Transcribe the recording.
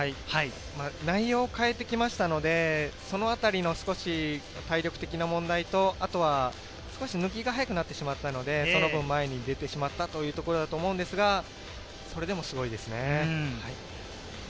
内容を変えてきましたので、そのあたりの少し、体力的な問題と、あと少し、抜きが早くなってしまったので、その分、前に出てしまったと思うんですが、それでもすごいですね。